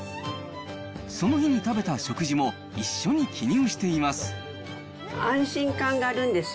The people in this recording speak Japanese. その日に食べた食事も一緒に記入しています。